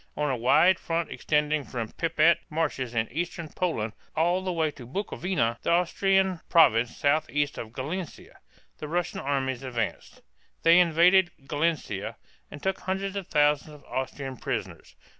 On a wide front extending from the Prip´et marshes in eastern Poland all the way to Bukowina (boo ko vee´nah), the Austrian province southeast of Galicia, the Russian armies advanced. They invaded Galicia and took hundreds of thousands of Austrian prisoners.